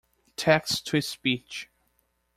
Text to Speech.